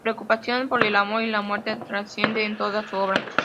La preocupación por el amor y la muerte trasciende en toda su obra.